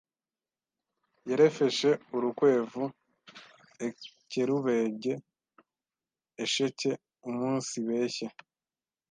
yerefeshe urukwevu ekerubege esheke umunsibeshye